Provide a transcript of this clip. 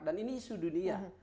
dan ini isu dunia